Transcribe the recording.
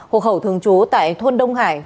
hộ khẩu thường chú tại thôn đông hải